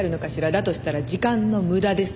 だとしたら時間の無駄です。